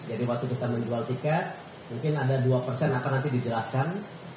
jadi waktu kita menjual tiket mungkin ada dua akan nanti dijelaskan